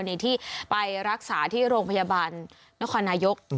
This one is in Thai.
ในที่ไปรักษาที่โรงพยาบาลนครนายก